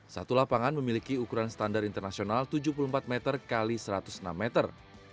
satu lapangan memiliki ukuran standar internasional tujuh puluh empat meter x satu ratus enam meter